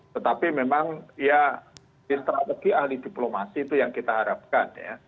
tetapi memang ya strategi ahli diplomasi itu yang kita harapkan ya